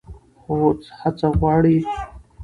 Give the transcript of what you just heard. خو هڅه غواړي.